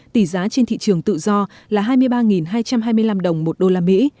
tỷ giá trên thị trường tự do là hai mươi ba hai trăm hai mươi năm đồng một đô la mỹ